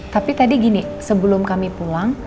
tapi tadi gini sebelum kami pulang